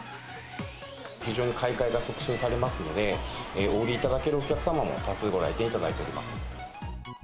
非常に買い替えが促進されますので、お売りいただけるお客様も多数ご来店いただいております。